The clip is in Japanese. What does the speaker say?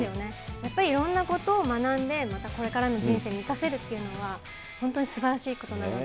やっぱりいろんなことを学んで、またこれからの人生に生かせるというのは本当にすばらしいことなので。